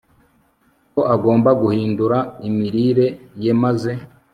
ko agomba guhindura imirire ye maze